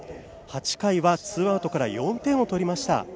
８回はツーアウトから４点を取りました。